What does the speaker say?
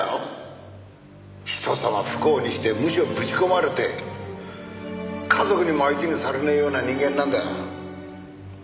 人様不幸にしてムショにぶち込まれて家族にも相手にされねえような人間なんだよ。